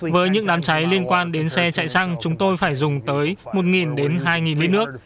với những đám cháy liên quan đến xe chạy xăng chúng tôi phải dùng tới một hai lít nước